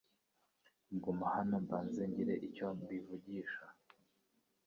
Guma hano mbanze ngire icyo mbivugsho .